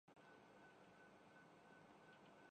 اللہ تعالی آپ کو صحت ِکاملہ عطا فرمائے۔